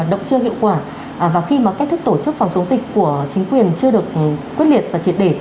động chưa hiệu quả và khi mà cách thức tổ chức phòng chống dịch của chính quyền chưa được quyết liệt và triệt để